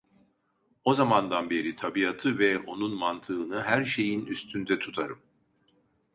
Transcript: O zamandan beri tabiatı ve onun mantığını her şeyin üstünde tutarım.